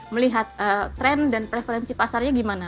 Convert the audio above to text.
melihat tren dan preferensi pasarnya gimana